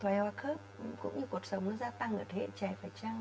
thoải hoa khớp cũng như cuộc sống nó gia tăng ở thế hệ trẻ phải chăng